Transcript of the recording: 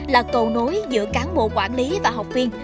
là cầu nối giữa cán bộ quản lý và học viên